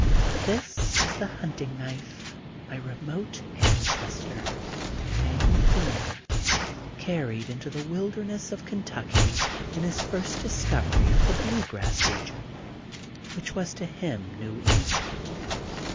This is the hunting knife my remote an cestor, Daniel Boone, carried into the wilder ness of Kentucky in his first discovery of the blue grass region that was to him new Eden.